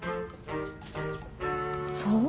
そう？